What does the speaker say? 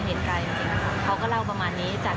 แล้วเหมือนก็ไม่ยองความกันอะเพราะว่าเห็นกันแหละ